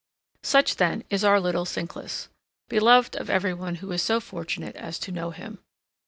Such, then, is our little cinclus, beloved of every one who is so fortunate as to know him.